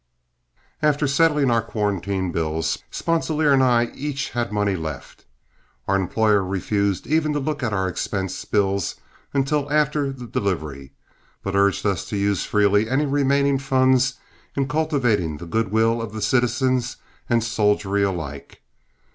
After settling our quarantine bills, Sponsilier and I each had money left. Our employer refused even to look at our expense bills until after the delivery, but urged us to use freely any remaining funds in cultivating the good will of the citizens and soldiery alike.